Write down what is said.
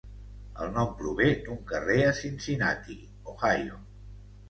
El nom prové d'un carrer a Cincinnati, Ohio.